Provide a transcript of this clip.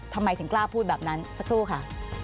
ทำไมถึงกล้าพูดแบบนั้นสักครู่ค่ะ